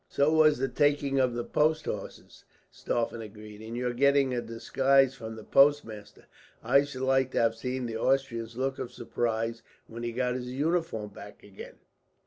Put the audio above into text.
"So was the taking of the post horses," Stauffen agreed, "and your getting a disguise from the postmaster. I should like to have seen the Austrian's look of surprise, when he got his uniform back again.